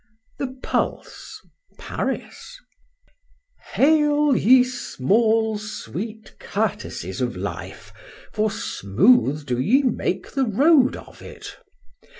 THE PULSE. PARIS. HAIL, ye small sweet courtesies of life, for smooth do ye make the road of it!